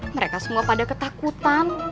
mereka semua pada ketakutan